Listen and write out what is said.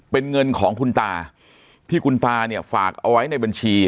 เป็นเงินของคุณตาที่คุณตาเนี่ยฝากเอาไว้ในบัญชี